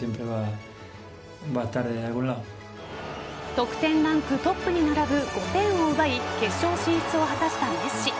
得点ランクトップに並ぶ５点を奪い決勝進出を果たしたメッシ。